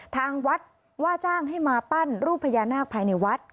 ทางวัดว่าจ้างให้มาปั้นรูปพญานาคภายในวัด